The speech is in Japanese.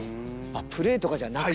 プレーとかじゃなくて。